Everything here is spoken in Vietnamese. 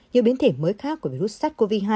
những biến thể mới khác của virus sars cov hai